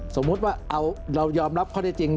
สมมุติว่าเรายอมรับข้อได้จริง